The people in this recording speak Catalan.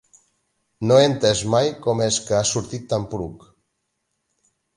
No he entès mai com és que has sortit tan poruc.